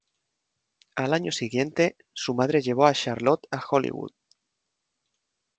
Al año siguiente, su madre llevó a Charlotte a Hollywood.